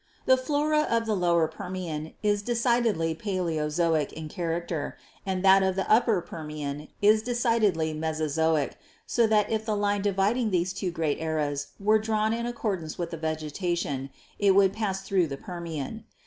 The flora of the Lower Permian is decidedly Paleozoic in character and that of the Upper Permian as decidedly Mesozoic, so that if the line dividing these two great eras were drawn in accordance with the vegetation, it would pass through the Permian.